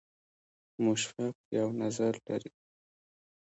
مشفق یو نظر لري.